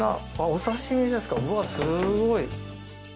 お刺し身ですか、すごい！